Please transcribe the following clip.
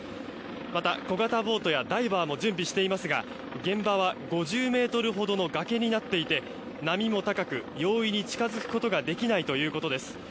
また小型ボートやダイバーも準備していますが現場は５０ｍほどの崖になっていて波も高く容易に近づくことができないということです。